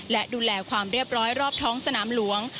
และดูแลความเรียบร้อยรอบท้องสนามหลวง